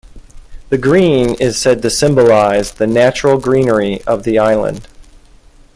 The green is said to symbolize the natural greenery of the island.